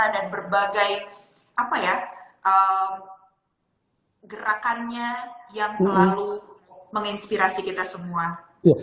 dan berbagai apa ya gerakannya yang selalu menginspirasi kita semua